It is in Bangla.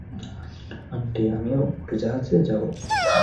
আন্টি, আমিও উড়োজাহাজে যাবো।